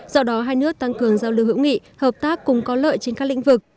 do đó hai nước tăng cường giao lưu hữu nghị hợp tác cùng có lợi trên các lĩnh vực